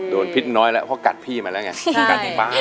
โดนพิษน้อยแล้วเพราะกัดพี่มาแล้วไง